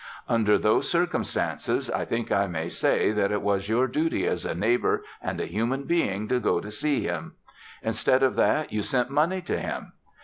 Under those circumstances, I think I may say that it was your duty as a neighbor and a human being to go to see him. Instead of that you sent money to him.